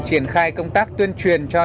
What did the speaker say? triển khai công tác tuyên truyền cho